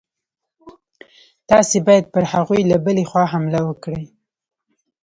تاسي باید پر هغوی له بلې خوا حمله وکړئ.